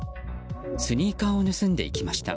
スニーカーを盗んでいきました。